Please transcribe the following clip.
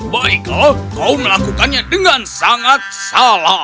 baiklah kau melakukannya dengan sangat salah